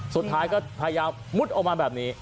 สุดท้ายก็พยายามมุดออกมาแบบนี้